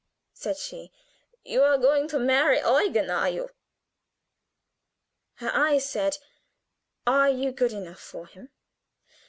said she; "you are going to marry Eugen! Are you" her eyes said "are you good enough for him?"